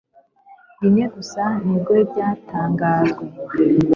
Rimwe gusa nibwo byatangajwe